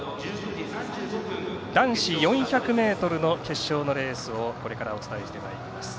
男子４００ｍの決勝のレースをこれからお伝えしてまいります。